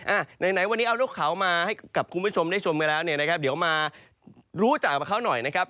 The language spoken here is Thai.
ไหนไหนวันนี้เอานกเขามาให้กับคุณผู้ชมได้ชมกันแล้วเนี่ยนะครับเดี๋ยวมารู้จักกับเขาหน่อยนะครับ